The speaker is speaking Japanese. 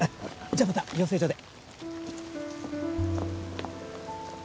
じゃあまた養成所で。